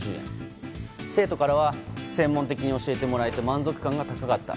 生徒からは専門的に教えてもらえて満足感が高かった。